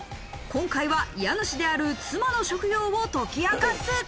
今回は家主である妻の職業を解き明かす。